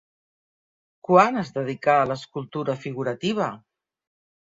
Quan es dedicà a l'escultura figurativa?